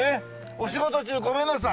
お仕事中ごめんなさい。